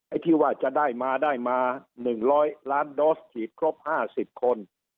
ที่ว่าจะได้มาได้มา๑๐๐ล้านโดสฉีดครบ๕๐คน